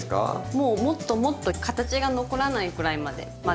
もうもっともっと形が残らないくらいまで混ぜて下さい。